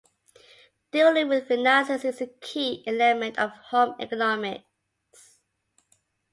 Dealing with finances is a key element of home economics.